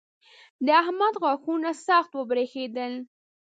د احمد غاښونه سخت وبرېښېدل.